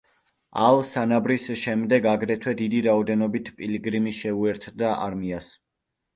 ალ-სანაბრის შემდეგ, აგრეთვე დიდი რაოდენობით პილიგრიმი შეუერთდა არმიას.